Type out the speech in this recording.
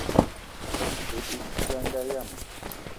Te dout ciga a nda yiam.